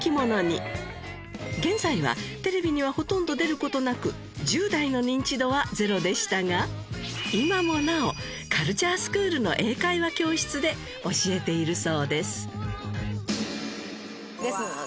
現在はテレビにはほとんど出る事なく１０代のニンチドはゼロでしたが今もなおカルチャースクールの英会話教室で教えているそうです。